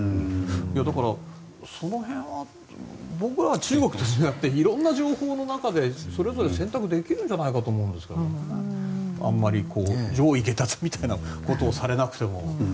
だから、その辺は僕ら、中国と違って色んな情報の中でそれぞれ選択できるんじゃないかと思いますがあまり上意下達みたいなことをされなくても。